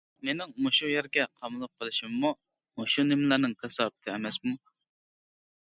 مېنىڭ مۇشۇ يەرگە قامىلىپ قېلىشىممۇ مۇشۇ نېمىلەرنىڭ كاساپىتى ئەمەسمۇ!